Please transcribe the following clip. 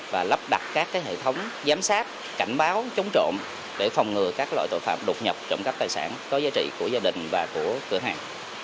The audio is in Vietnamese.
và lắp đặt các hệ thống giám sát cảnh báo chống trộm để phòng ngừa các loại tội phạm đột nhập trộm cắp tài sản có giá trị của gia đình và của cửa hàng